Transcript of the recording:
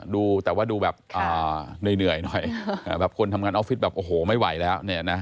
ดูแต่ว่าดูแบบเหนื่อยหน่อยแบบคนทำงานออฟฟิศแบบโอ้โหไม่ไหวแล้วเนี่ยนะ